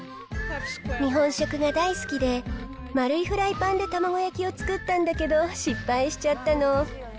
日本食が大好きで、丸いフライパンで卵焼きを作ったんだけど、失敗しちゃったの。